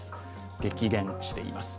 激減しています。